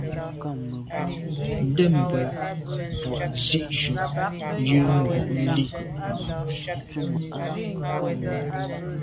Ndɛ̂mbə̄ bū à’ zí’jú jə̂ ngū’ lî.